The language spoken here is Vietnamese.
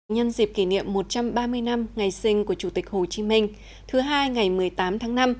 nhân dịp kỷ niệm một trăm ba mươi năm ngày sinh của chủ tịch hồ chí minh thứ hai ngày một mươi tám tháng năm